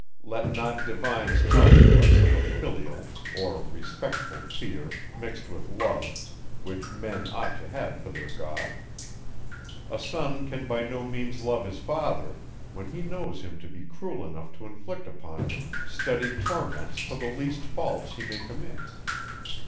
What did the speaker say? Let not divines talk to us of a filial, or respectful fear, mixed with love, which men ought to have for their God. A son can by no means love his father, when he knows him to be cruel enough to inflict upon him studied torments for the least faults he may commit.